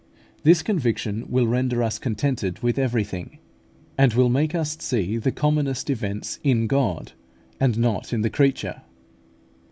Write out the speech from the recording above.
This conviction will render us contented with everything, and will make us see the commonest events in God, and not in the creature.